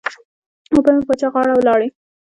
اوبه مې په وچه غاړه ولاړې.